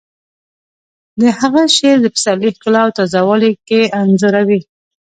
د هغه شعر د پسرلي ښکلا او تازه ګي انځوروي